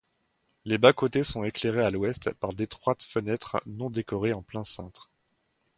Les bas-côtés sont éclairés à l'ouest par d'étroites fenêtres non décorées en plein cintre.